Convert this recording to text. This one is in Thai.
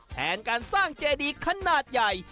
แทนการสร้างเจดีขนาดใหญ่